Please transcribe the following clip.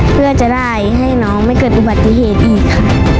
เพื่อจะได้ให้น้องไม่เกิดอุบัติเหตุอีกค่ะ